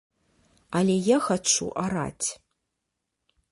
Але я хачу араць.